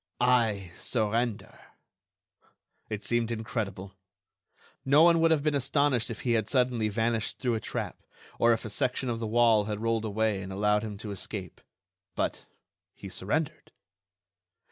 "I surrender!" ... It seemed incredible. No one would have been astonished if he had suddenly vanished through a trap, or if a section of the wall had rolled away and allowed him to escape. But he surrendered!